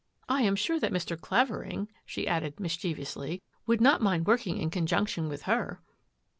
I am sure that Mr. Clavering,'' she en mischievously, " would not mind working in junction with her."